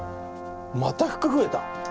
また服増えた？